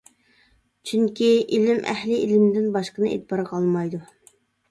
چۈنكى ئىلىم ئەھلى ئىلىمدىن باشقىنى ئېتىبارغا ئالمايدۇ.